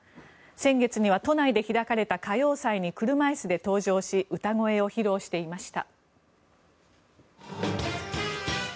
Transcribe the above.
先月には都内で開かれた歌謡祭に車椅子で登場し歌声を披露していました。